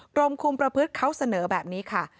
กรมคุมประพฤติเขาเสนอแบบนี้ค่ะ